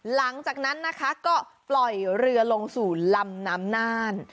หลังจากนั้นนะคะก็ปล่อยเรือลงสู่ลำน้ำน่าน